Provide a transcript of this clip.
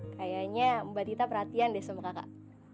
kayaknya mbak tita perhatian deh sama kakak